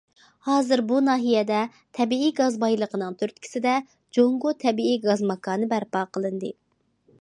ھازىر بۇ ناھىيەدە تەبىئىي گاز بايلىقىنىڭ تۈرتكىسىدە‹‹ جۇڭگو تەبىئىي گاز ماكانى›› بەرپا قىلىندى.